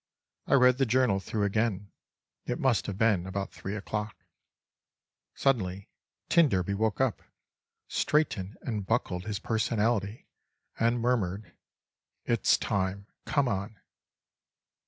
I read the journal through again. It must have been about three o'clock. Suddenly t d woke up, straightened and buckled his personality, and murmured: "It's time, come on."